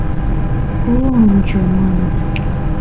— О-он-чо-о... — маныт.